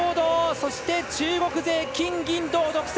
そして、中国勢、金、銀、銅独占！